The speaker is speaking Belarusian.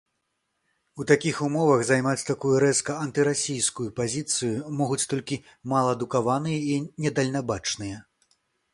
У такіх умовах займаць такую рэзка антырасійскую пазіцыю могуць толькі малаадукаваныя і недальнабачныя.